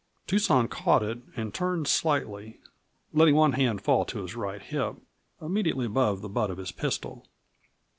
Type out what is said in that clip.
Tucson caught it and turned slightly, letting one hand fall to his right hip, immediately above the butt of his pistol.